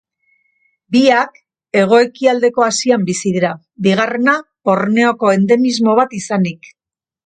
Biak hego-ekialdeko Asian bizi dira, bigarrena Borneoko endemismo bat izanik.